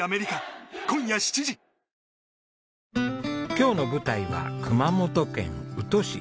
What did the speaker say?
今日の舞台は熊本県宇土市。